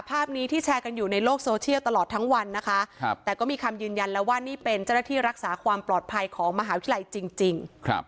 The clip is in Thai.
ภาพนี้ที่แชร์กันอยู่ในโลกโซเชียลตลอดทั้งวันนะคะแต่ก็มีคำยืนยันแล้วว่านี่เป็นเจ้าหน้าที่รักษาความปลอดภัยของมหาวิทยาลัยจริง